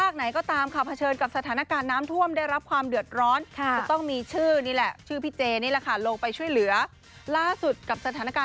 ดิฉันนึกถึงลูกเขา